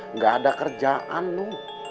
enggak ada kerjaan lu